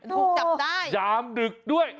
ถูกจับได้ยามดึกด้วย